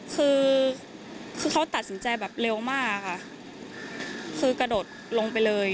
คือคือเขาตัดสินใจแบบเร็วมากค่ะคือกระโดดลงไปเลย